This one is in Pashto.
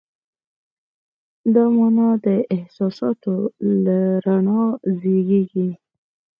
دا مانا د احساساتو له رڼا زېږېږي.